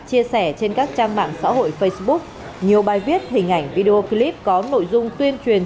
chia sẻ trên các trang mạng xã hội facebook nhiều bài viết hình ảnh video clip có nội dung tuyên truyền